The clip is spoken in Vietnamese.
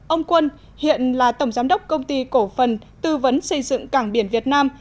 ông quân hiện là tổng giám đốc công ty cổ phần tư vấn xây dựng cảng biển việt nam